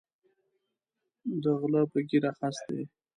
د غلۀ پۀ ږیره خس دی